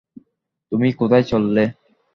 তুমি কোথায় চললে?